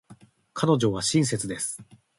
彼女は親切です。